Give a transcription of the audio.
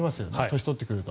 年を取ってくると。